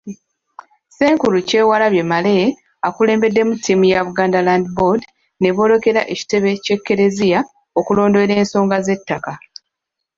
Ssenkulu Kyewalabye Male akulembeddemu ttiimu ya Buganda Land Board ne boolekera ekitebe ky'Ekklezia okulondoola ensonga z'ettaka.